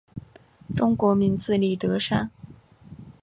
中国名字李德山。